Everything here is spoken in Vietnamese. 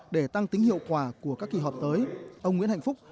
để tăng tính hiệu quả của các kỳ họp tới ông nguyễn hạnh phúc